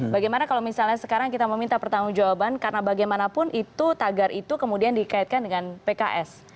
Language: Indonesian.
bagaimana kalau misalnya sekarang kita meminta pertanggung jawaban karena bagaimanapun itu tagar itu kemudian dikaitkan dengan pks